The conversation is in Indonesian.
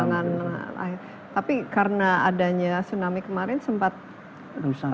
perkembangan lain tapi karena adanya tsunami kemarin sempat rusak ya